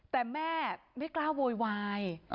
แต่แม่ไม่กล้าโวยวาย